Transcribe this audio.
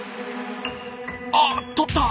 あっ取った！